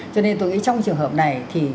cho nên tôi nghĩ trong trường hợp này thì